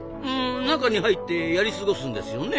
中に入ってやり過ごすんですよね。